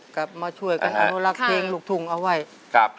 กลับมาช่วยกันอนุรักษ์เพลงลูกทุ่งเอาไว้ครับ